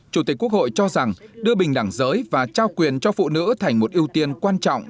chủ tịch quốc hội cho rằng đưa bình đẳng giới và trao quyền cho phụ nữ thành một ưu tiên quan trọng